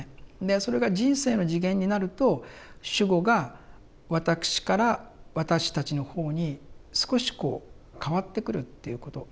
それが人生の次元になると主語が「私」から「私たち」の方に少しこう変わってくるということなんだと思うんですね。